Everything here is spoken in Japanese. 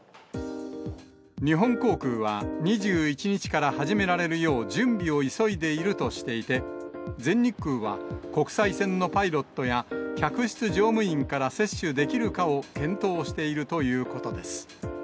日本航空は、２１日から始められるよう準備を急いでいるとしていて、全日空は、国際線のパイロットや客室乗務員から接種できるかを検討しているということです。